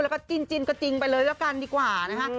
แล้วก็จิ้นก็จริงไปเลยแล้วกันดีกว่านะคะ